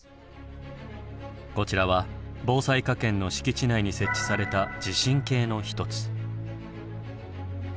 こちらは防災科研の敷地内に設置された地震計の一つ。